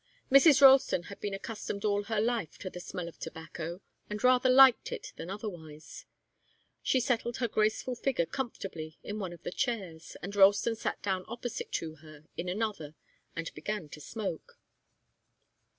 Mrs. Ralston had been accustomed all her life to the smell of tobacco, and rather liked it than otherwise. She settled her graceful figure comfortably in one of the chairs, and Ralston sat down opposite to her in another and began to smoke.